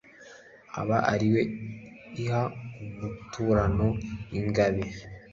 Aba ari we iha umuturano w' ingabe